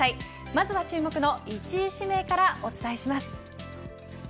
まずは注目の１位指名からお伝えします。